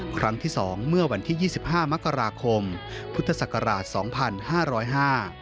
ครั้งที่สองเมื่อวันที่๒๕มกราคมพุทธศักราช๒๕๐๕